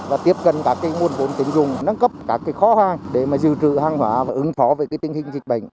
và tiếp cận các nguồn vốn tính dùng nâng cấp các khóa để mà dự trữ hàng hóa và ứng phó về tình hình dịch bệnh